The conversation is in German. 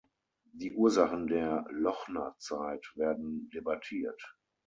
Die Ursachen der „Lochner“ Zeit werden debattiert.